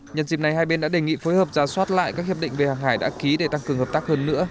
nhân dịp này hai bên đã đề nghị phối hợp giả soát lại các hiệp định về hàng hải đã ký để tăng cường hợp tác hơn nữa